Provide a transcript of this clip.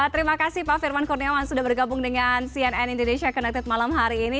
terima kasih pak firman kurniawan sudah bergabung dengan cnn indonesia connected malam hari ini